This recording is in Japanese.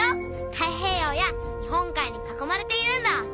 太平洋や日本海に囲まれているんだ。